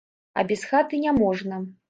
А без хаты няможна.